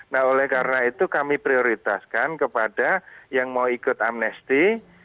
nah oleh karena itu kami prioritaskan kepada yang mau ikut amnesti